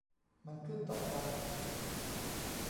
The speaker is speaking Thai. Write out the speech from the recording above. มันขึ้นต่อกัน